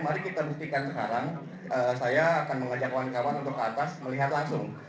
mari kita buktikan sekarang saya akan mengajak kawan kawan untuk ke atas melihat langsung